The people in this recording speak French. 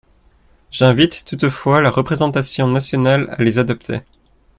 J’invite toutefois la représentation nationale à les adopter.